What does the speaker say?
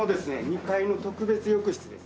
２階の特別浴室ですね。